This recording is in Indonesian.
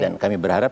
dan kami berharap